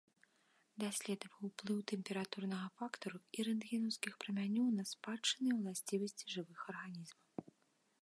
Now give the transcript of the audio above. Даследаваў уплыў тэмпературнага фактару і рэнтгенаўскіх прамянёў на спадчынныя ўласцівасці жывых арганізмаў.